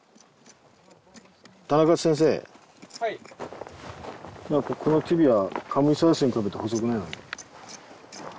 田中先生このティビアカムイサウルスに比べて細くない？